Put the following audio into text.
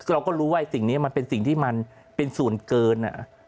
เราก็รู้ว่าสิ่งนี้มันเป็นสิ่งที่มันเป็นส่วนเกิน